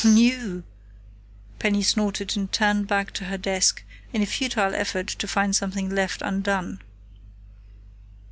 "New!" Penny snorted and turned back to her desk in a futile effort to find something left undone.